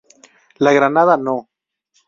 La granada No.